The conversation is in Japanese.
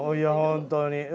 本当に。